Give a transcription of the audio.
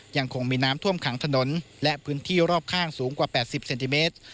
ยังคงมีน้ำท่วมขังถนนและพื้นที่รอบข้างสูงกว่า๘๐เซนติเมตร